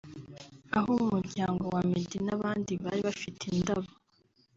abo mu muryango wa Meddy n’abandi bari bafite indabo